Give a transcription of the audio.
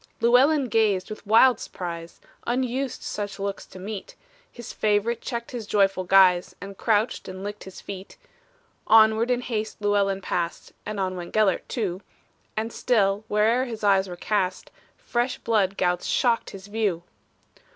Llewellyn gazed with wild surprise; Unused such looks to meet, His fav'rite checked his joyful guise, And crouched, and licked his feet. Onward in haste Llewellyn passed (And on went Gelert too), And still, where'er his eyes were cast, Fresh blood gouts shocked his view!